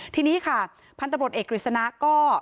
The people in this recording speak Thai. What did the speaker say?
ทีนี้ค่ะพันธุ์ตำรวจเอกกฤษณะก็